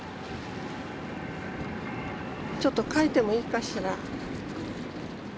ちょっと描いてもいいかしら。